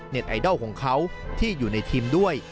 ไอดอลของเขาที่อยู่ในทีมด้วย